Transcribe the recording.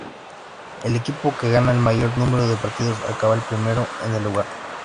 El equipo que gana el mayor número de partidos acaba primero en el grupo.